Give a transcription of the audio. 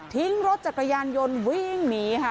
ทิ้งรถจัดประยานยนต์วิ่งหนีค่ะ